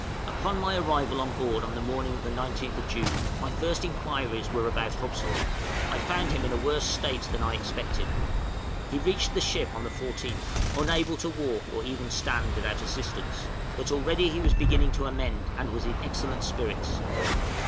_ Upon my arrival on board on the morning of the 19th June, my first inquiries were about Hobson; I found him in a worse state than I expected. He reached the ship on the 14th, unable to walk, or even stand without assistance; but already he was beginning to amend, and was in excellent spirits.